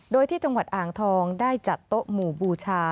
โดยที่จังหวัดอ่างทองได้จัดโต๊ะหมู่บูชา